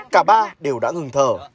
cả ba đều đã ngừng thở